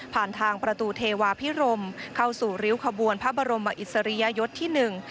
ผ่านทางประตูเทวาพิรมเข้าสู่ริ้วขบวนพระบรมอิสริยยศที่หนึ่ง